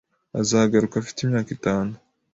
Azagaruka afite imyaka itanu.